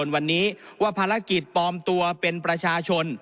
วันนี้ว่าภารกิจปลอมตัวเป็นประชาชน